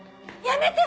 やめて！